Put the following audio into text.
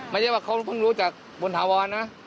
ไม่ใช่ว่าเขาเพิ่งรู้จากบนถาวรนะ